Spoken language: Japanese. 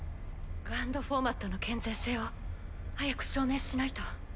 フォーマットの健全性を早く証明しないと。